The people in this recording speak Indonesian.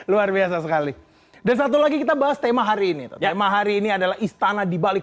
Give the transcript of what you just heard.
luar biasa sekali dan satu lagi kita bahas tema hari ini tema hari ini adalah istana dibalik